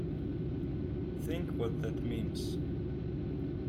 Think what that means.